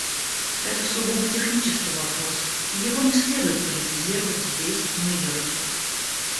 Это сугубо технический вопрос, и его не следует политизировать здесь, в Нью-Йорке.